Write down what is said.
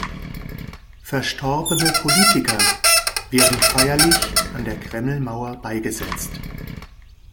Verstorbene Politiker werden feierlich an der Kremlmauer beigesetzt.